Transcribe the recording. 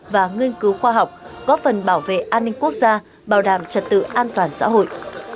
và nghiên cứu khoa học góp phần bảo vệ an ninh quốc gia bảo đảm trật tự an toàn xã hội